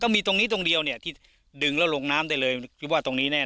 มีตรงนี้ตรงเดียวเนี่ยที่ดึงแล้วลงน้ำได้เลยคิดว่าตรงนี้แน่